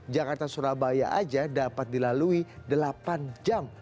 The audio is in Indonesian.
jakarta surabaya aja dapat dilalui delapan jam